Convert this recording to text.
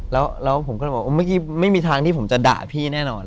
แล้วผมก็เลยบอกเมื่อกี้ไม่มีทางที่ผมจะด่าพี่แน่นอน